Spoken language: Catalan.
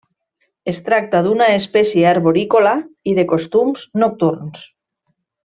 Es tracta d'una espècie arborícola i de costums nocturns.